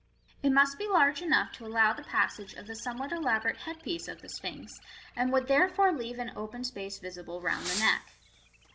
It must be large enough to allow the passage of the somewhat elaborate headpiece of the Sphinx, and would therefore leave an open space visible round the neck.